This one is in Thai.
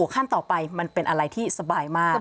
ขั้นต่อไปมันเป็นอะไรที่สบายมาก